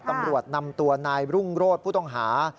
ตำรวจนำตัวนายรุ่งโรธผู้ต้องหา